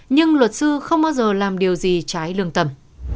nhưng luật sư không bao giờ làm điều gì trái lương tâm